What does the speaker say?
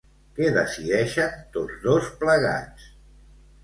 Què decideixen tots dos plegats?